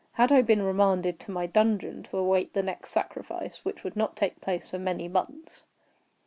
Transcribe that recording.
Had I been remanded to my dungeon, to await the next sacrifice, which would not take place for many months?